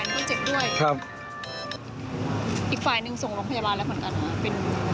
อีกฝ่ายนึงส่งลงพยาบาลแล้วเหมือนกัน